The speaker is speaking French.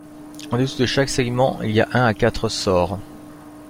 En dessous de chaque segment, il y a un à quatre sores.